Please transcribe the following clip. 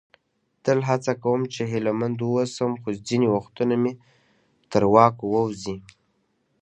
تل هڅه کوم چې هیله مند واوسم، خو ځینې وختونه مې تر واک ووزي.